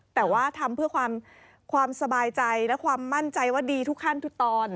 แต่ว่าทำเพื่อความสบายใจและความมั่นใจว่าดีทุกขั้นทุกตอน